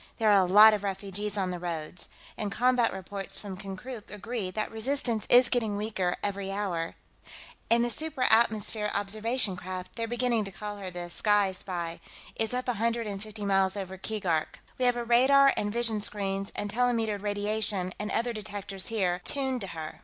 "There are a lot of refugees on the roads. And combat reports from Konkrook agree that resistance is getting weaker every hour.... And the supra atmosphere observation craft they're beginning to call her the Sky Spy is up a hundred and fifty miles over Keegark. We have radar and vision screens and telemetered radiation and other detectors here, tuned to her.